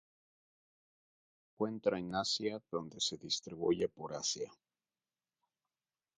Se encuentra en Asia donde se distribuye por Asia.